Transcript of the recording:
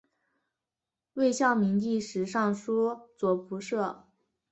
魏孝明帝时尚书左仆射。